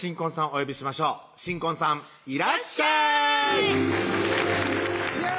お呼びしましょう新婚さんいらっしゃいいや！